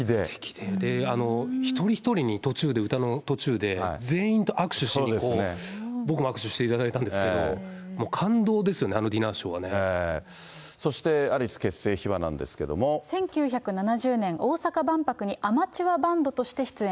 で、一人一人に途中で、歌の途中で、全員と握手しにこう、僕も握手していただいたんですけど、もう感動ですよね、そしてアリス結成秘話なんで１９７０年、大阪万博にアマチュアバンドとして出演。